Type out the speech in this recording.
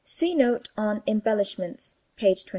See note on embellishments, p. 26.